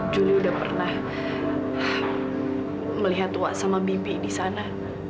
juli sudah pernah melihat wak sama bibi di sana